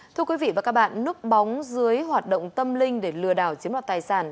thưa quý vị và các bạn núp bóng dưới hoạt động tâm linh để lừa đảo chiếm đoạt tài sản